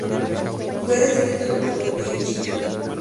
Fue descrito por Bianchini.